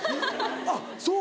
あっそう。